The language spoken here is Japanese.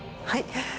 はい。